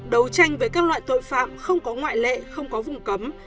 đấu tranh với các loại tội phạm không có ngoại lệ không có vùng cấm